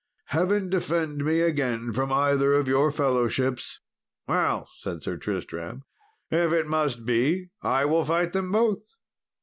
Heaven defend me again from either of your fellowships!" "Well," said Sir Tristram, "if it must be, I will fight them both."